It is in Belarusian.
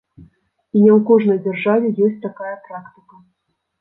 І не ў кожнай дзяржаве ёсць такая практыка.